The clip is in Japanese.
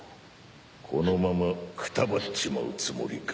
このままくたばっちまうつもりか？